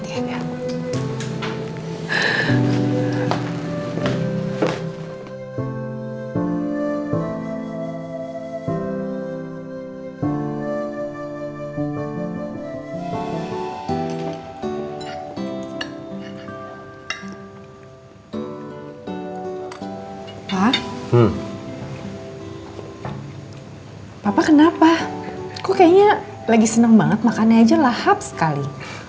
hai papa kenapa kok kayaknya lagi seneng banget makannya aja lahap sekali